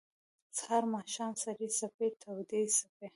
سهار ، ماښام سړې څپې تودي څپې